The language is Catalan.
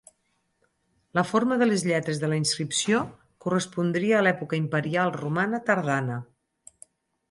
La forma de les lletres de la inscripció correspondria a l'època imperial romana tardana.